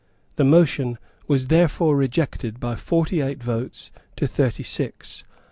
The motion was therefore rejected by forty eight votes to thirty six.